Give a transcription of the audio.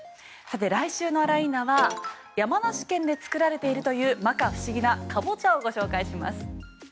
来週のあら、いーな！は山梨県で作られているという摩訶不思議なカボチャをご紹介します。